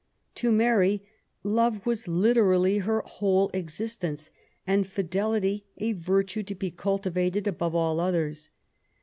To Mary love was literally her whole existence^ and fidelity a virtue to be cultivated above all others.